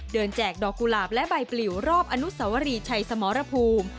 แจกดอกกุหลาบและใบปลิวรอบอนุสวรีชัยสมรภูมิ